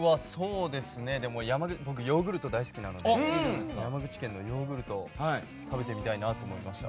僕はヨーグルト大好きなので山口県のヨーグルトを食べてみたいなと思いました。